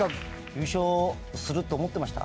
優勝するって思ってました？